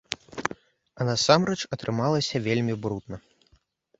А насамрэч атрымалася вельмі брудна.